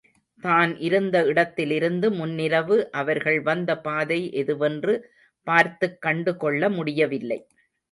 தான் இருந்த இடத்திலிருந்து முன்னிரவு அவர்கள் வந்த பாதை எதுவென்று பார்த்துக் கண்டுகொள்ள முடியவில்லை.